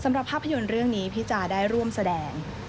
สำหรับภาพยนต์เรื่องนี้พี่จ้าได้ร่วมแสดง